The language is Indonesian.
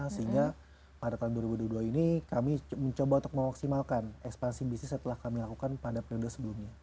sehingga pada tahun dua ribu dua puluh dua ini kami mencoba untuk memaksimalkan ekspansi bisnis setelah kami lakukan pada periode sebelumnya